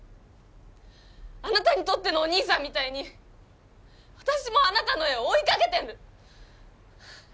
あなたにとってのお兄さんみたいに私もあなたの絵を追いかけてる！